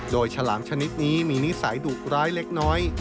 โดยฉลามชนิดนี้มีนิสัยดุร้ายเล็กน้อย